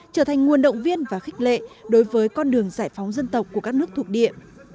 trở thành nguồn động viên và khích lệ đối với con đường giải phóng dân tộc của các nước thuộc địa